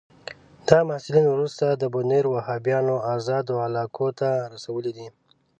دغه محصلین وروسته د بونیر وهابیانو آزادو علاقو ته رسولي دي.